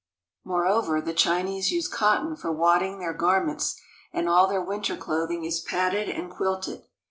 Moreover, the Chinese use cotton for wadding their garments, and all their winter clothing is padded and quilted.